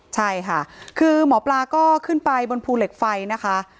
ใช่ค่ะคือหมอปลาก็ขึ้นไปบนภูเหล็กไฟนะคะ